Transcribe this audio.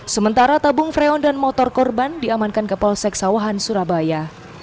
sementara tabung freo dan motor korban diamankan ke polsek sawahan surabaya